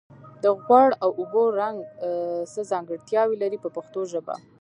د غوړ او اوبو رنګ څه ځانګړتیاوې لري په پښتو ژبه.